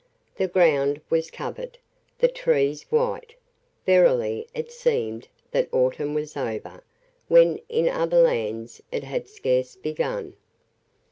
The ground was covered, the trees white; verily it seemed that autumn was over, when in other lands it had scarce begun.